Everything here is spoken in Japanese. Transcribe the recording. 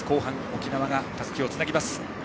沖縄がたすきをつなぎます。